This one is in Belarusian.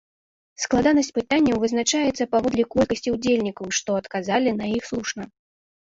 Складанасць пытанняў вызначаецца паводле колькасці ўдзельнікаў, што адказалі на іх слушна.